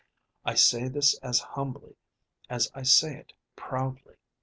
I say this as humbly as I say it proudly.